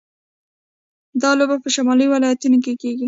دا لوبه په شمالي ولایتونو کې کیږي.